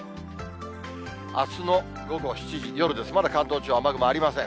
あすの午後７時、夜です、まだ関東地方、雨雲ありません。